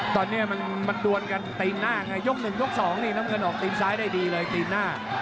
ตอนนี้มันดวนกันตีนหน้าไงยก๑ยก๒นี่น้ำเงินออกตีนซ้ายได้ดีเลยตีนหน้า